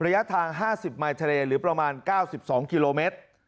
ระยะทาง๕๐มายทะเลหรือประมาณ๙๒กิโลเมตร